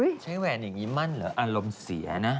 ใช้แหวนอย่างนี้มั่นเหรออารมณ์เสียนะ